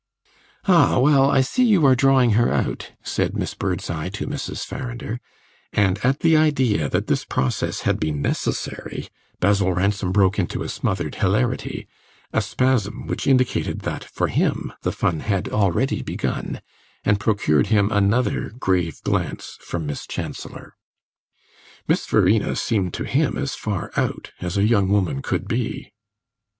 "Ah, well, I see you are drawing her out," said Miss Birdseye to Mrs. Farrinder; and at the idea that this process had been necessary Basil Ransom broke into a smothered hilarity, a spasm which indicated that, for him, the fun had already begun, and procured him another grave glance from Miss Chancellor. Miss Verena seemed to him as far "out" as a young woman could be.